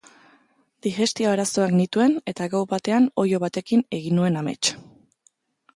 Digestio arazoak nituen eta gau batean oilo batekin egin nuen amets.